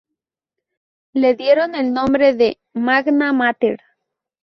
Le dieron el nombre de Magna Mater.